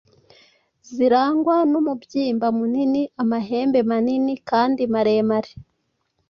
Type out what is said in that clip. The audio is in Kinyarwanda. zirangwa numubyimba munini, amahembe manini kandi maremare,